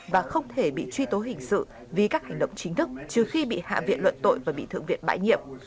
và không thể bị truy tố hình sự vì các hành động chính thức trừ khi bị hạ viện luận tội và bị thượng viện bãi nhiệm